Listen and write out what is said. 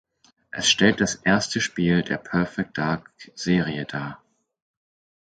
Es stellt das erste Spiel der Perfect Dark Serie dar.